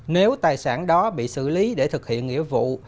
nếu tài sản đó bị xử lý để thực hiện nghĩa vụ